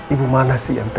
ibu mana sih yang